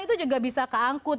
itu juga bisa keangkut